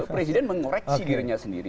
presiden mengoreksi dirinya sendiri